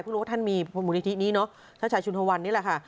ทุกท่านมีมือวิธีนี้เนอะชาชายชุนฮวันนี่แหละค่ะ